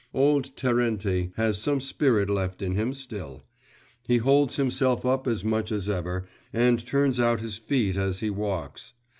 Old Terenty has some spirit left in him still; he holds himself up as much as ever, and turns out his feet as he walks.